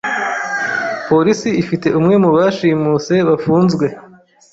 Polisi ifite umwe mu bashimuse bafunzwe.